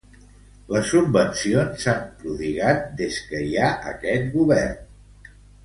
Les subvencions s'han prodigat des que hi ha aquest Govern.